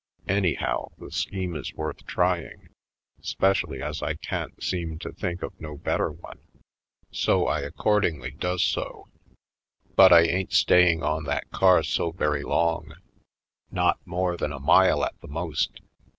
Anyhow, the scheme is worth trying, 'specially as I can't seem to think of no bet ter one. So I accordingly does so. But I ain't staying on that car so very long; not more than a mile at the most.